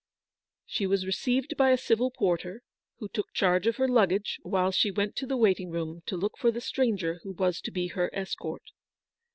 She was received by a civil porter, who took charge of her luggage while she went to the waiting room to look for the stranger who was to be her escort.